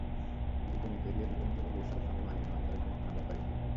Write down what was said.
দুজনের ক্যারিয়ার-বৃত্তান্ত বলে এসবের সঙ্গে মানিয়ে নেওয়া তাঁদের জন্য কোনো ব্যাপারই নয়।